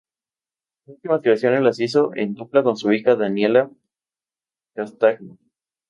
Sus últimas creaciones las hizo en dupla con su hija Daniella Castagno.